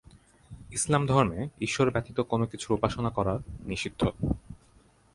ইসলাম ধর্মে ঈশ্বর ব্যতীত কোন কিছুর উপাসনা করা নিষিদ্ধ।